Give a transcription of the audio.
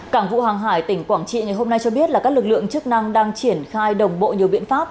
cảng vụ hàng hải tỉnh quảng trị ngày hôm nay cho biết là các lực lượng chức năng đang triển khai đồng bộ nhiều biện pháp